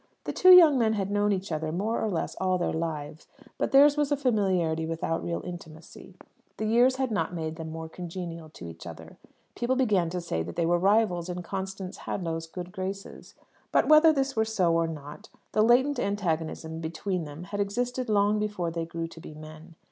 The two young men had known each other more or less all their lives, but theirs was a familiarity without real intimacy. The years had not made them more congenial to each other. People began to say that they were rivals in Constance Hadlow's good graces. But, whether this were so or not, the latent antagonism between them had existed long before they grew to be men.